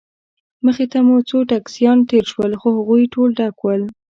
مخې ته مو څو ټکسیان تېر شول، خو هغوی ټول ډک ول.